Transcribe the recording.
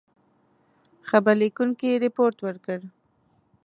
خبر لیکونکي رپوټ ورکړ.